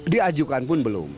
diajukan pun belum